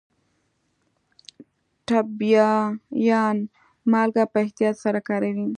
ټبیايان مالګه په احتیاط سره کاروي.